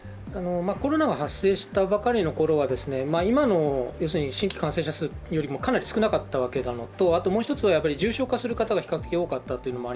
コロナが発生したばかりのころは今の新規感染者数よりもかなり少なかったわけなのともう１つは重症化する方が比較的多かったというのも